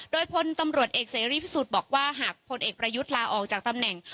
โดยพลตำรวจเอกเสรีพิสุทธิ์บอกว่าหากพลเอกประยุทธ์ลาออกจากตำแหน่ง